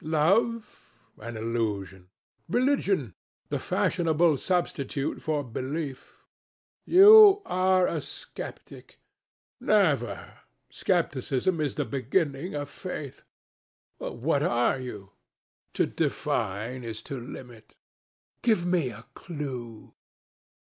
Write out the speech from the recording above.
"Love?" "An illusion." "Religion?" "The fashionable substitute for belief." "You are a sceptic." "Never! Scepticism is the beginning of faith." "What are you?" "To define is to limit." "Give me a clue."